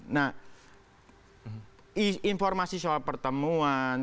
nah informasi soal pertemuan